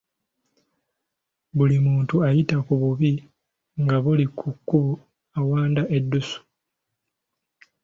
Buli muntu ayita ku bubi nga buli ku kkubo awanda eddusu.